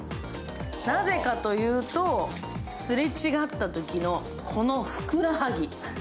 なぜかというと、すれ違ったときのこのふくらはぎ。